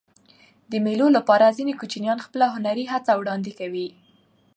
د مېلو له پاره ځيني کوچنيان خپله هنري هڅه وړاندي کوي.